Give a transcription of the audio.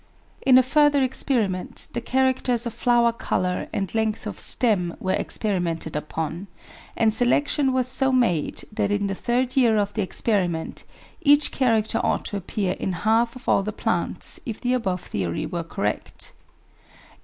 In a further experiment the characters of flower colour and length of stem were experimented upon, and selection was so made that in the third year of the experiment each character ought to appear in half of all the plants if the above theory were correct.